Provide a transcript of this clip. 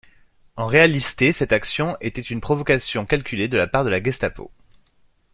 En réalisté cette action était une provocation calculée de la part de la Gestapo.